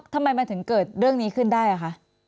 ทำไมมันถึงเกิดเรื่องนี้ขึ้นได้อ่ะคะ